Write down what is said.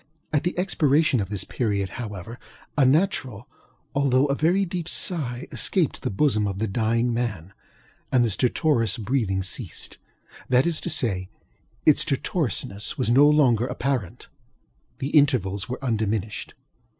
At the expiration of this period, however, a natural although a very deep sigh escaped the bosom of the dying man, and the stertorous breathing ceasedŌĆöthat is to say, its stertorousness was no longer apparent; the intervals were undiminished.